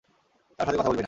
তার সাথে কথা বলবি না।